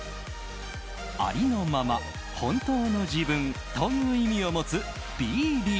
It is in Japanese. ありのまま本当の自分という意味を持つ「ＢｅＲｅａｌ」。